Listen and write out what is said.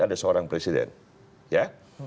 ada seorang presiden ya